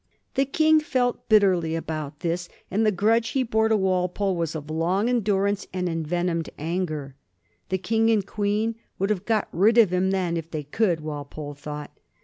The King felt bitterly about this, and the grudge he bore to Walpole was of long endurance and envenomed anger. The King and Queen would have got rid of him then if they could, Walpole thought.